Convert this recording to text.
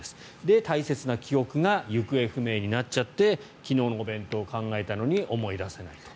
で、大切な記憶が行方不明になっちゃって昨日のお弁当を考えたのに思い出せないと。